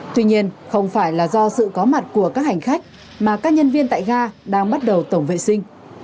tuy nhiên không phải là do sự có mặt của các hành khách mà các nhân viên tại ga đang bắt đầu tổng vệ sinh